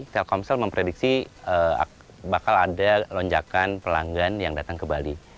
telkomsel memprediksi bakal ada lonjakan pelanggan yang datang ke bali